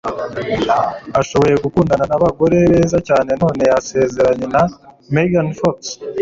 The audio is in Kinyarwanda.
Ashoboye gukundana nabagore beza cyane none yasezeranye na Megan Fox?